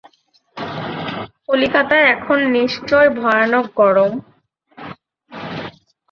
কলিকাতায় এখন নিশ্চয় ভয়ানক গরম।